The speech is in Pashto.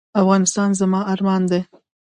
افغانستان زما ارمان دی؟